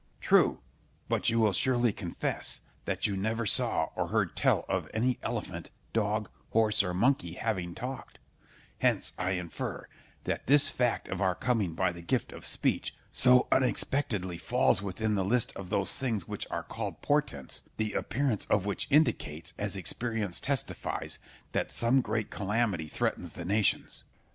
Scip. True; but you will surely confess that you never saw or heard tell of any elephant, dog, horse, or monkey having talked: hence I infer, that this fact of our coming by the gift of speech so unexpectedly falls within the list of those things which are called portents, the appearance of which indicates, as experience testifies, that some great calamity threatens the nations.